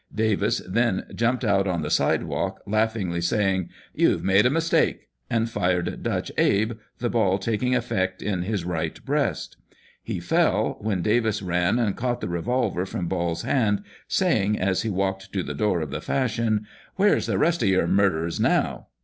Davis then jumped out on the side walk, laughingly saying, ' You've made a mistake,' and fired at Dutch Abe, the ball taking effect in his right breast. He fell, when Davis ran and caught the revolver from Ball's hand, saying, as he walked to the door of the Fashion, ' Where's the rest of your murderers now